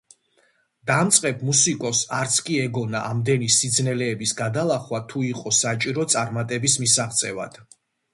დამწყებ მუსიკოსს არც კი ეგონა ამდენი სიძნელეების გადალახვა თუ იყო საჭირო წარმატების მისაღწევად.